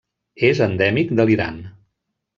És endèmic de l'Iran.